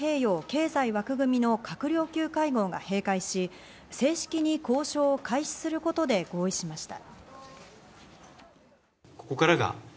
ＩＰＥＦ＝インド太平洋経済枠組みの閣僚級会合が閉会し、正式に交渉を開始することで合意しました。